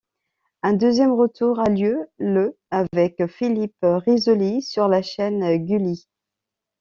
Un deuxième retour a lieu le avec Philippe Risoli sur la chaîne Gulli.